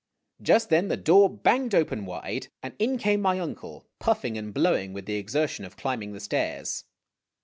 Just then the door banged open wide, and in came my uncle, purring and blowing with the exertion of climbing the stairs.